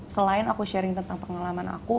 selain aku sharing tentang pengalaman aku